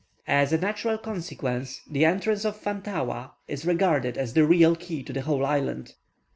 As a natural consequence, the entrance of Fantaua is regarded as the real key to the whole island.